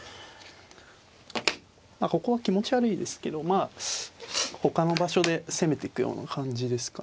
ここは気持ち悪いですけどまあほかの場所で攻めていくような感じですかね。